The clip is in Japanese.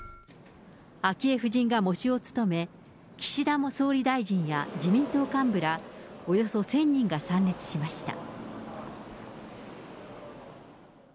昭恵夫人が喪主を務め、岸田総理大臣や自民党幹部ら、およそ１０００人が参列しました。